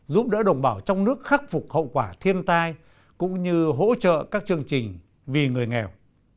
giúp đỡ đồng bào trong nước khắc phục hậu quả thiên tai cũng như hỗ trợ các chương trình vì người nghèo